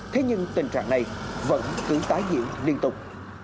thế nhưng tình trạng này vẫn cứ tái diễn liên tục